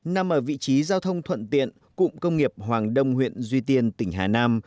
nằm ở vị trí giao thông thuận tiện cụng công nghiệp hoàng đông huyện duy tiên tỉnh hà nam